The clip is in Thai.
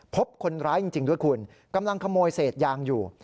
พบคนร้ายจริงด้วยคุณกำลังขโมยเศษยางอยู่